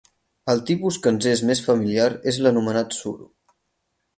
El tipus que ens és més familiar és l'anomenat suro.